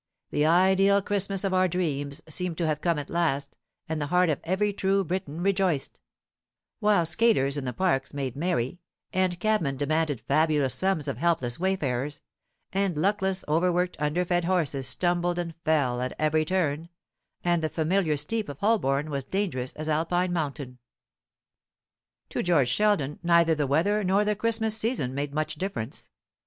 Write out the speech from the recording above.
The ideal Christmas of our dreams seemed to have come at last, and the heart of every true Briton rejoiced; while skaters in the parks made merry, and cabmen demanded fabulous sums of helpless wayfarers; and luckless, overworked, under fed horses stumbled and fell at every turn, and the familiar steep of Holborn was dangerous as Alpine mountain. To George Sheldon neither the weather nor the Christmas season made much difference.